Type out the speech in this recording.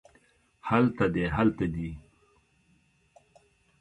هلته دی هلته دي